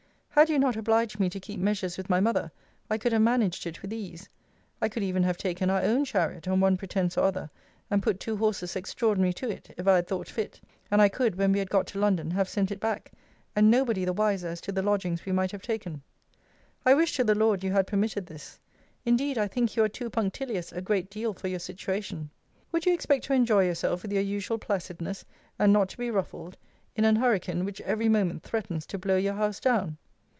Had you not obliged me to keep measures with my mother, I could have managed it with ease. I could even have taken our own chariot, on one pretence or other, and put two horses extraordinary to it, if I had thought fit; and I could, when we had got to London, have sent it back, and nobody the wiser as to the lodgings we might have taken. I wish to the Lord you had permitted this. Indeed I think you are too punctilious a great deal for you situation. Would you expect to enjoy yourself with your usual placidness, and not to be ruffled, in an hurricane which every moment threatens to blow your house down?